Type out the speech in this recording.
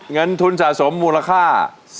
เงินทุนสะสมมูลค่า